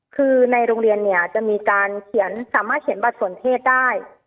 คือในโรงเรียนเนี่ยจะมีการเขียนสามารถเขียนบัตรสนเทศได้